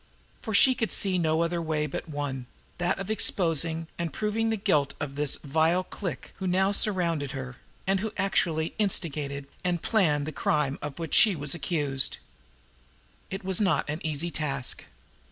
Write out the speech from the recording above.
For she could see no other way but one that of exposing and proving the guilt of this vile clique who now surrounded her, and who had actually instigated and planned the crime of which she was accused. And it was not an easy task!